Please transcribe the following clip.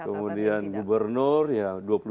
kemudian gubernur ya dua puluh dua